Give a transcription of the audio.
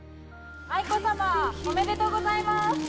愛子さまおめでとうございます。